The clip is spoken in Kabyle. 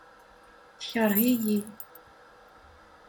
Tekṛeh-iyi.